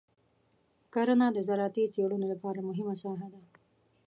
کرنه د زراعتي څېړنو لپاره مهمه ساحه ده.